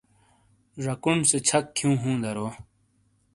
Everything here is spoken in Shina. جاکون سے چھک کھیوں ہوں دارو۔